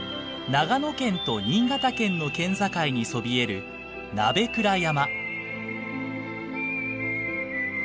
長野県と新潟県の県境にそびえる鍋倉山。